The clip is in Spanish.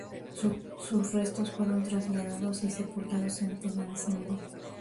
Sus restos fueron trasladados y sepultados en Tenancingo.